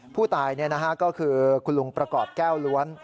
ผู้ตายก็คือคุณลุงประกอบแก้วล้วน